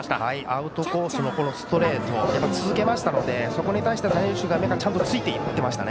アウトコースのストレートを続けましたのでそこに対して谷口選手目がちゃんとついていっていました。